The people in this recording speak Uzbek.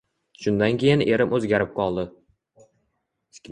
Shundan keyin erim o`zgarib qoldi